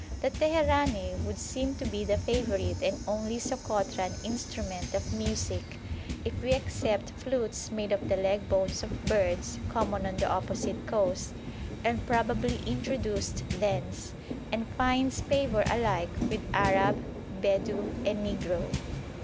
The teherane would seem to be the favourite and only Sokotran instrument of music if we except flutes made of the leg bones of birds common on the opposite coast, and probably introduced thence and finds favour alike with Arab, Bedou, and Negro.